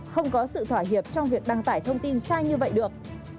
không có sự thỏa hiệp trong việc đăng tải thông tin sai như vậy được